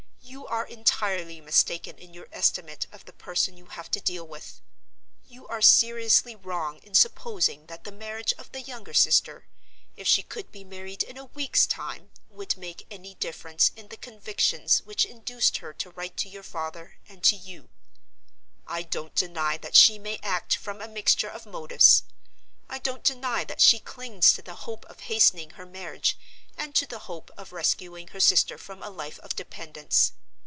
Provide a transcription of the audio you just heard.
"You are entirely mistaken in your estimate of the person you have to deal with. You are seriously wrong in supposing that the marriage of the younger sister—if she could be married in a week's time—would make any difference in the convictions which induced her to write to your father and to you. I don't deny that she may act from a mixture of motives. I don't deny that she clings to the hope of hastening her marriage, and to the hope of rescuing her sister from a life of dependence.